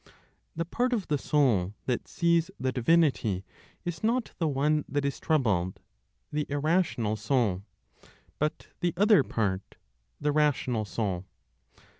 The part of the soul that sees the divinity is not the one that is troubled (the irrational soul), but the other part (the rational soul).